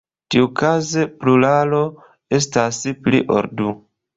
Tiukaze, pluralo estas "pli ol du".